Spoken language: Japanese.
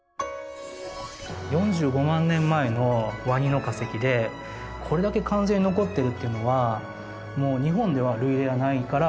４５万年前のワニの化石でこれだけ完全に残っているっていうのは日本では類例がないから。